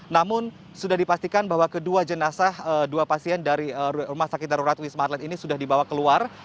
namun sudah dipastikan bahwa kedua jenazah dua pasien dari rumah sakit darurat wisma atlet ini sudah dibawa keluar